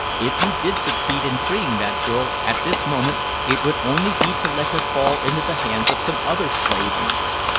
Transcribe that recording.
If you did succeed in freeing that girl at this moment, it would only be to let her fall into the hands of some other slave owner.